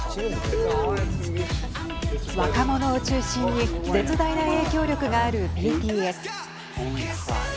若者を中心に絶大な影響力があるＢＴＳ。